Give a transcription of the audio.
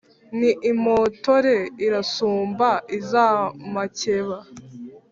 Ni impotore irasumba iz’amakeba